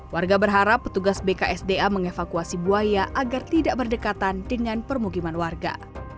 warga berharap petugas bksda mengevakuasi buaya agar tidak berdekatan dengan permukiman warga